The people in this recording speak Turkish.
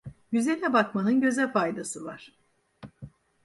Güzele bakmanın göze faydası var.